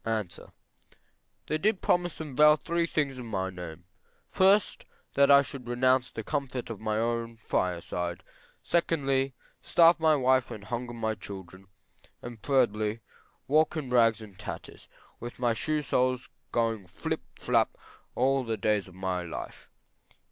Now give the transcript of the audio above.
A. They did promise and vow three things in my name, first, that I should renounce the comfort of my own fire side; secondly, starve my wife and hunger my children; thirdly, walk in rags and tatters, with my shoe soles going flip flap all the days of my life.